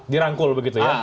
dirangkul begitu ya